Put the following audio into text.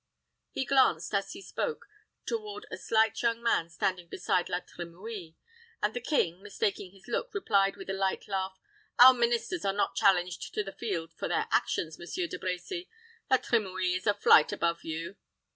He glanced, as he spoke, toward a slight young man standing beside La Trimouille; and the king, mistaking his look, replied, with a light laugh, "Our ministers are not challenged to the field for their actions, Monsieur De Brecy. La Trimouille is a flight above you."